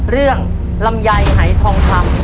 เรื่องลำไยหายทองคำ